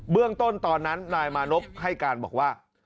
เรื่องต้นตอนนั้นนายมานพให้การบอกว่า